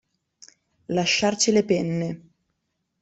Lasciarci le penne.